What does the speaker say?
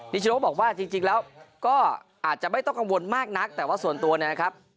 ชโนบอกว่าจริงแล้วก็อาจจะไม่ต้องกังวลมากนักแต่ว่าส่วนตัวเนี่ยนะครับ